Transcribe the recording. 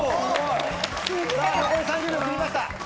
残り３０秒切りました。